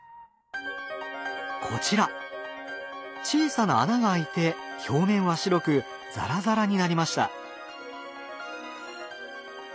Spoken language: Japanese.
小さな穴が開いて表面は白くザラザラになりました。